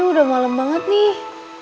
udah malem banget nih